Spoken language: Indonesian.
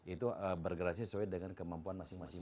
itu bergradasi sesuai dengan kemampuan masing masing mahasiswa